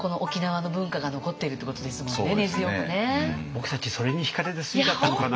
僕たちそれにひかれて住んじゃったのかな。